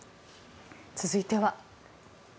続いては。